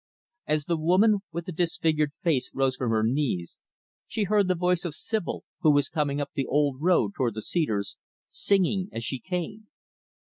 As the woman with the disfigured face rose from her knees, she heard the voice of Sibyl, who was coming up the old road toward the cedars singing as she came.